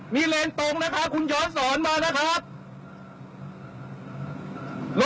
มีเลนตรงนะครับคุณย้อนสอนมานะครับ